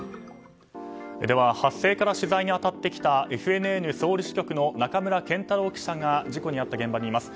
発生から取材に当たってきたＦＮＮソウル支局の仲村健太郎記者が事故が遭った現場にいます。